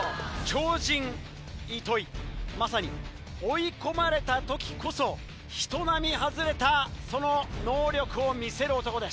超人糸井まさに追い込まれた時こそ人並み外れたその能力を見せる男です。